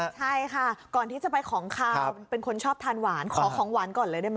ใช่ค่ะก่อนที่จะไปของขาวเป็นคนชอบทานหวานขอของหวานก่อนเลยได้ไหม